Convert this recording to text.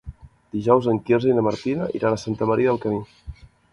Dijous en Quirze i na Martina iran a Santa Maria del Camí.